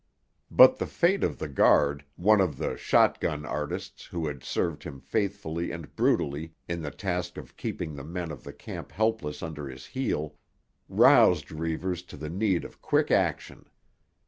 But the fate of the guard, one of the "shot gun artists" who had served him faithfully and brutally in the task of keeping the men of the camp helpless under his heel, roused Reivers to the need of quick action.